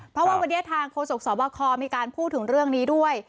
เพราะว่าวันนี้ทางโฆษกสวบคมีการพูดถึงเรื่องนี้ด้วย